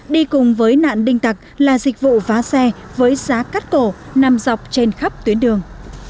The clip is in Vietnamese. đi cùng với nạn đinh tặc là dịch vụ vá xe với giá cắt cổ nằm dọc trên khắp tuyến đường